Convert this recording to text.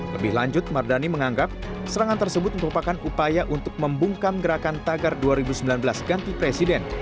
lebih lanjut mardani menganggap serangan tersebut merupakan upaya untuk membungkam gerakan tagar dua ribu sembilan belas ganti presiden